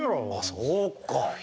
あそうか。